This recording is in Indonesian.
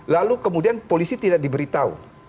lalu kemudian polisi tidak diberitahu